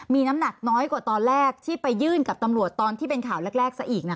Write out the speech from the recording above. มีน้ำหนักน้อยกว่าตอนแรกที่ไปยื่นกับตำรวจตอนที่เป็นข่าวแรกซะอีกนะ